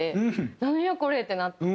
なんやこれ！ってなって。